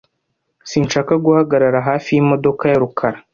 Sinshaka guhagarara hafi yimodoka ya rukara .